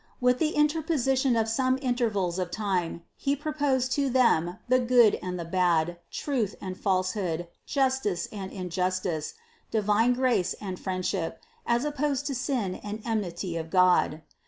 With the inter position of some intervals of time, He proposed to them the good and the bad, truth and falsehood, justice and injustice, divine grace and friendship as op posed to sin and enmity of God.